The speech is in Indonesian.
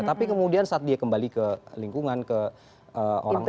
tapi kemudian saat dia kembali ke lingkungan ke orang lain